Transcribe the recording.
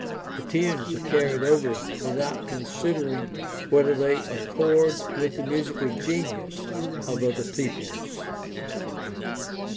The tunes are carried over withoutconsidering whether they accord with the musical genius of other peoples.